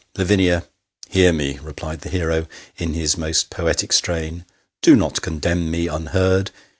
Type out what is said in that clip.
" "Lavinia, hear me," replied the hero, in his most poetic strain. " Do not condemn me unheard.